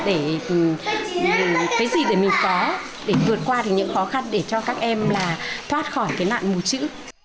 để cái gì để mình có để vượt qua được những khó khăn để cho các em là thoát khỏi cái nạn mù chữ